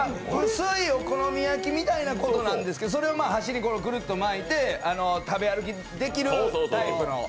薄いお好み焼きみたいなことなんですけどそれを箸にくるっと巻いて食べ歩きできるタイプの。